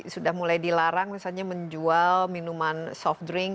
sudah mulai dilarang misalnya menjual minuman soft drink